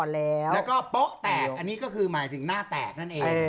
แล้วก็โป๊ะแตกอันนี้ก็คือหมายถึงหน้าแตกนั่นเอง